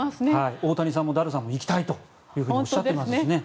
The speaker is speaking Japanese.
大谷さんもダルさんも行きたいとおっしゃってますしね。